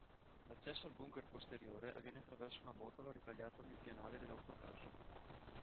L'accesso al Bunker posteriore avviene attraverso una botola ritagliata nel pianale dell'autocarro.